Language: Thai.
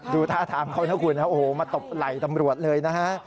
ดูท่าทางเขานะคุณนะโอ้โหมาตบไหล่ตำรวจเลยนะฮะ